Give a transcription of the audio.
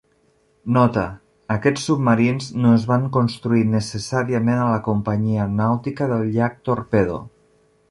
Nota: aquests submarins no es van construir necessàriament a la Companyia Nàutica del Llac Torpedo.